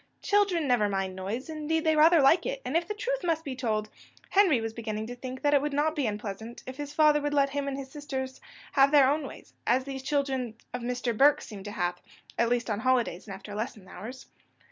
Children never mind noise indeed, they rather like it; and, if the truth must be told, Henry was beginning to think that it would not be unpleasant if his father would let him and his sisters have their own ways, as these children of Mr. Burke seemed to have, at least on holidays and after lesson hours.